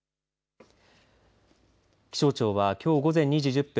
気象庁はきょう午前２時１０分